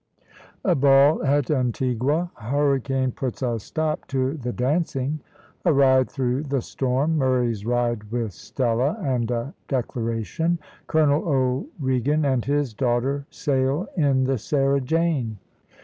A BALL AT ANTIGUA A HURRICANE PUTS A STOP TO THE DANCING A RIDE THROUGH THE STORM MURRAY'S RIDE WITH STELLA, AND A DECLARATION COLONEL O'REGAN AND HIS DAUGHTER SAIL IN THE SARAH JANE.